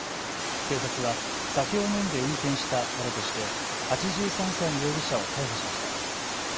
警察は酒を飲んで運転したなどとして８３歳の容疑者を逮捕しました。